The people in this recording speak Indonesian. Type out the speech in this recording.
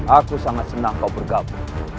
aku sangat senang kau bergabung